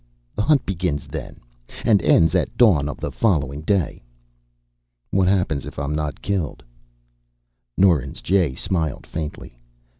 The Hunt begins then, and ends at dawn of the following day." "What happens if I'm not killed?" Norins Jay smiled faintly.